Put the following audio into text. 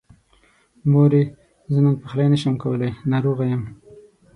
مورې! زه نن پخلی نشمه کولی، ناروغه يم.